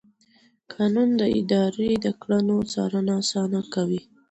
قانون د ادارې د کړنو څارنه اسانه کوي.